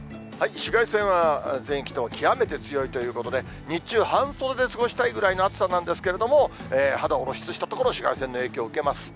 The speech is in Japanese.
紫外線は全域とも極めて強いということで、日中、半袖で過ごしたいぐらいの暑さなんですけれども、肌を露出した所を紫外線の影響受けます。